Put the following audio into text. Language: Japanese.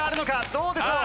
どうでしょう？